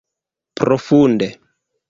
Profunde!